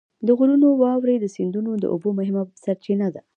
د غرونو واورې د سیندونو د اوبو مهمه سرچینه ده.